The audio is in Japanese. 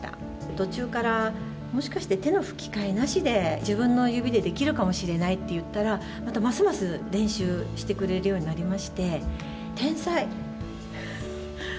途中から、もしかして手の吹き替えなしで自分の指でできるかもしれないって言ったら、またますます練習してくれるようになりまして。